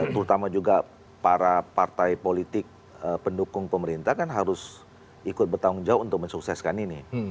terutama juga para partai politik pendukung pemerintah kan harus ikut bertanggung jawab untuk mensukseskan ini